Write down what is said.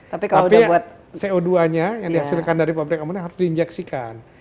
tapi co dua nya yang dihasilkan dari pabrik amuning harus diinjeksikan